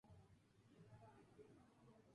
El sencillo fue lanzado en tres formatos físicos.